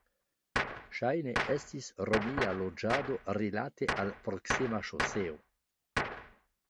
Ŝajne estis romia loĝado rilate al proksima ŝoseo.